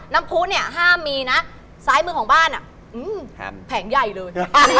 น้ำพุนี่ห้ามมีนะซ้ายมือของบ้านอ่ะแผงใหญ่เลย